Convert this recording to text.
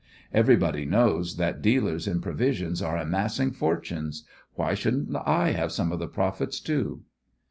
Everybody knows that dealers in provisions are amassing fortunes. Why shouldn't I have some of the profits too?"